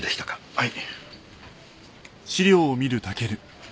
はい。